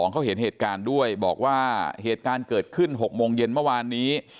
เขาเห็นเหตุการณ์ด้วยบอกว่าเหตุการณ์เกิดขึ้น๖โมงเย็นเมื่อวานนี้